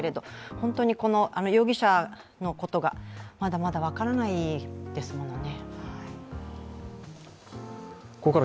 本当に、この容疑者のことがまだまだ分からないですもんね。